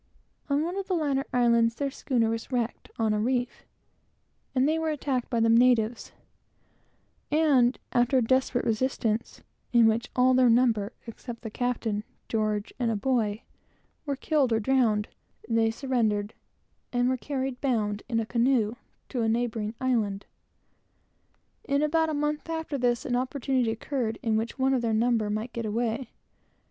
On one of the latter islands, their schooner was wrecked on a reef, and they were attacked by the natives, and, after a desperate resistance, in which all their number except the captain, George, and a boy, were killed or drowned, they surrendered, and were carried bound, in a canoe, to a neighboring island. In about a month after this, an opportunity occurred by which one of their number might get away.